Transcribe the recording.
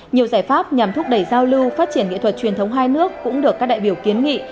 nhiều giải pháp nhằm thúc đẩy giao lưu phát triển nghệ thuật truyền thống hai nước cũng được các đại biểu kiến nghị